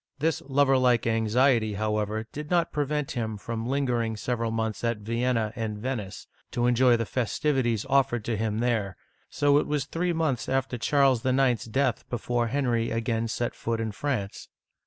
This lover like anxiety, however, did not prevent him from lingering several months at Vienna and Venice, to enjoy the festivities offered to him there, so it was three months after Charles IX.*s death before Henry again set foot in France.